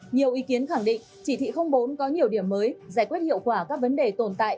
nhiều ý kiến khẳng định chỉ thị bốn có nhiều điểm mới giải quyết hiệu quả các vấn đề tồn tại